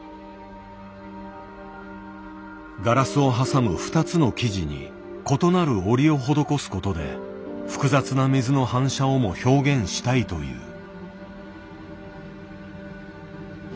ガラスを挟む２つの生地に異なる織りを施すことで複雑な水の反射をも表現したいという。